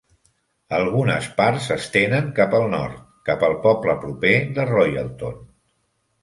Algunes parts s'estenen cap al nord, cap al poble proper de Royalton.